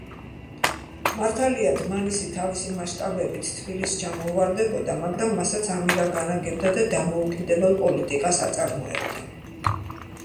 მართალია, დმანისი თავისი მასშტაბებით თბილისს ჩამოუვარდებოდა, მაგრამ მასაც ამირა განაგებდა და დამოუკიდებელ პოლიტიკას აწარმოებდა.